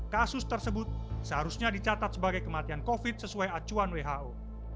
kasus tersebut seharusnya dicatat sebagai kematian covid sesuai acuan who